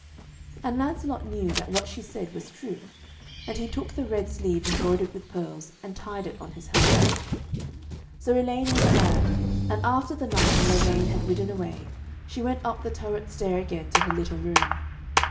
And Lancelot knew that what she said was true, and he took the red sleeve embroidered with pearls, and tied it on his helmet. So Elaine was glad, and after the knight and Lavaine had ridden away, she went up the turret stair again to her little room.